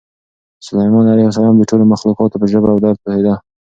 سلیمان علیه السلام د ټولو مخلوقاتو په ژبه او درد پوهېده.